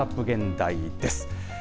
現代です。